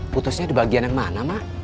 putusnya di bagian yang mana mak